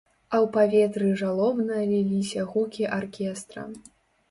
А ў паветры жалобна ліліся гукі аркестра.